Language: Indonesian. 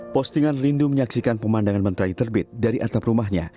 postingan rindu menyaksikan pemandangan mentrai terbit dari atap rumahnya